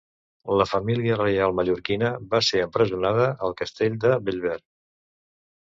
La família reial mallorquina va ser empresonada al castell de Bellver.